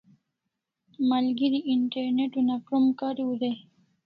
Malgeri internet una krom kariu dai